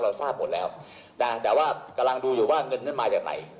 ทราบหมดแล้วนะแต่ว่ากำลังดูอยู่ว่าเงินนั้นมาจากไหน